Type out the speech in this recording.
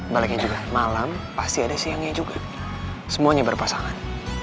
baliknya juga malam pasti ada siangnya juga semuanya berpasangan